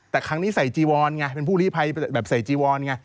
แต่ครั้งนี้ใส่จีวอนไงเป็นผู้ลิภัยแบบใส่จีวอนไง